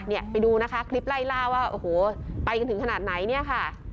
เนี่ยไปดูนะคะคลิปไล่ล่าว่าโอ้โหไปกันถึงขนาดไหนเนี่ยค่ะ